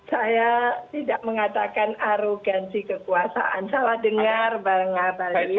saya tidak mengatakan arugansi kekuasaan salah dengar bang abang